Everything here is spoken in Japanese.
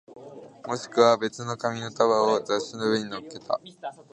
もしくは別の紙の束を雑誌の上に乗っけた